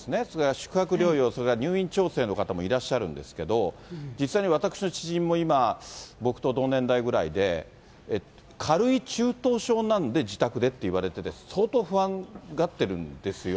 宿泊療養、入院調整の方もいらっしゃるんですけど、実際に私の知人も今、僕と同年代ぐらいで、軽い中等症なんで、自宅でって言われてて、相当不安がってるんですよ。